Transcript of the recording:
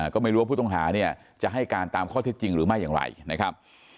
ก็ไม่รู้ว่าผู้ต้องหาเนี่ยจะให้การตามข้อเท็จจริงหรือไม่อย่างไรนะครับ